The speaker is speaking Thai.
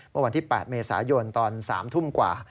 เมื่อวันที่๘เมษายนตอน๓ทุ่มกว่า